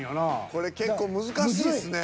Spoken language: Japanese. これ結構難しいっすね。